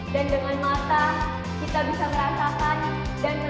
dan dengan mata kita bisa merasakan dan melihat keindahan kita